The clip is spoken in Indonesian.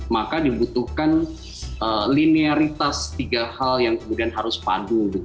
maka dibutuhkan linearitas tiga hal yang kemudian harus padu